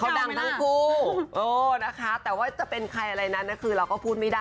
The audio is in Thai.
ดังทั้งคู่เออนะคะแต่ว่าจะเป็นใครอะไรนั้นคือเราก็พูดไม่ได้